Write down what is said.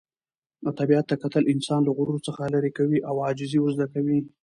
طبیعت ته کتل انسان له غرور څخه لیرې کوي او عاجزي ور زده کوي.